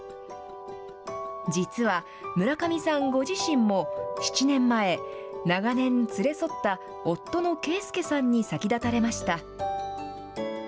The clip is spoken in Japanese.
実は、村上さんご自身も７年前、長年連れ添った夫の啓助さんに先立たれました。